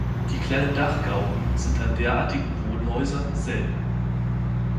Die kleinen Dachgauben sind an derartigen Wohnhäusern selten.